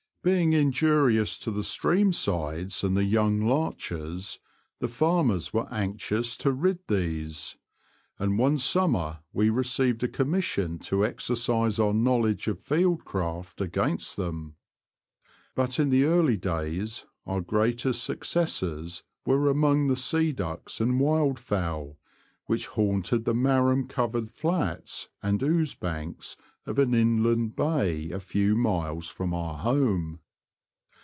Being injurious to the stream sides and the young larches, the farmers were anxious to rid these ; and one summer we received a commission to exercise our knowledge of field craft against them. But in the early days our greatest successes were among the sea ducks and wildfowl which haunted the marram covered flats and ooze banks of an inland bay a few miles from our home.